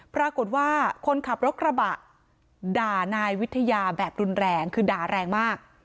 ปรากฏว่าคนขับรถกระบะด่านายวิทยาแบบรุนแรงคือด่าแรงมาก